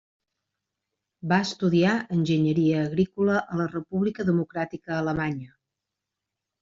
Va estudiar enginyeria agrícola a la República Democràtica Alemanya.